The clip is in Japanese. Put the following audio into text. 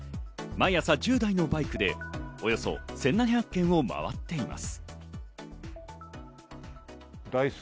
毎朝１０台のバイクでおよそ１７００軒を回っています。